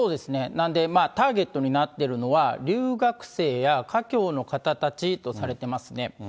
なんで、ターゲットになっているのは、留学生や華僑の方たちとされてますね。